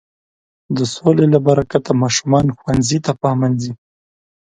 د سولې له برکته ماشومان ښوونځي ته په امن ځي.